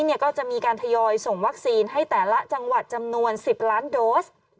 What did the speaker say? ก็จะมีการทยอยส่งวัคซีนให้แต่ละจังหวัดจำนวน๑๐ล้านโดส